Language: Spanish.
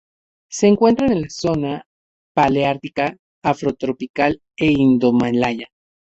Se encuentra en la zona paleártica, afrotropical e indomalaya.